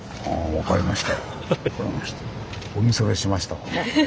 分かりました。